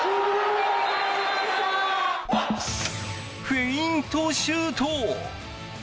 フェイントシュート。